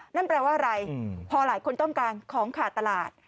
นั่นแปลว่าอะไรพอหลายคนต้องการของขาดตลาด